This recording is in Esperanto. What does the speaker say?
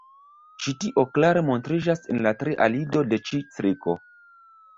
Ĉi tio klare montriĝas en la tria lido de ĉi ciklo.